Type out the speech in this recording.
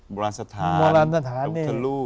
บรรทหารทุกสถานะ